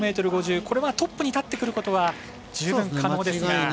これはトップに立ってくることは十分可能ですが。